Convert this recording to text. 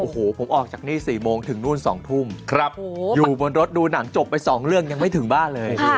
โอ้โหผมออกจากนี่๔โมงถึงนู่น๒ทุ่มครับอยู่บนรถดูหนังจบไป๒เรื่องยังไม่ถึงบ้านเลย